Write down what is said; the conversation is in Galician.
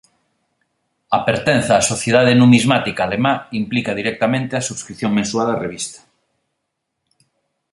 A pertenza á Sociedade Numismática Alemá implica directamente a subscrición mensual á revista.